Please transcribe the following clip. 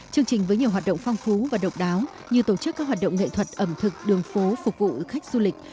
chương trình với nhiều hoạt động phong phú và độc đáo như tổ chức các hoạt động nghệ thuật ẩm thực đường phố phục vụ khách du lịch